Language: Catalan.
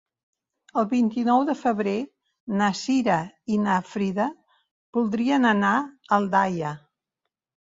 El vint-i-nou de febrer na Cira i na Frida voldrien anar a Aldaia.